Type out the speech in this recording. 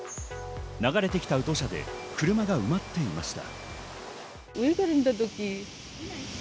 流れてきた土砂で車が埋まっていました。